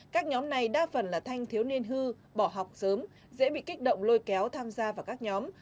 các nhóm này đa phần là thanh thiếu niên hư bỏ học sớm dễ bị kích động lôi kéo tham gia vào các nhóm